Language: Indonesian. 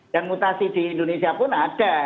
dan mutasi di indonesia pun ada